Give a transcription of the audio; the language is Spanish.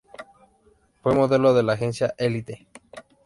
Fue modelo de la agencia Elite.